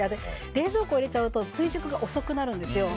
冷蔵庫に入れちゃうと追熟が遅くなっちゃうんですよ。